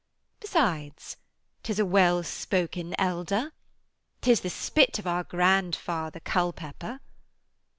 Besides, 'tis a well spoken elder. 'Tis the spit of our grandfather Culpepper.'